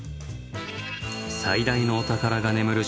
最大のお宝が眠る